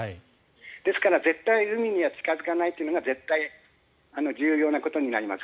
ですから、絶対に海には近付かないというのが重要なことになります。